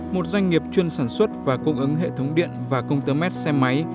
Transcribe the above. một doanh nghiệp chuyên sản xuất và cung ứng hệ thống điện và công tấm mét xe máy